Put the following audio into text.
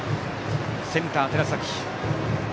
センター、寺崎。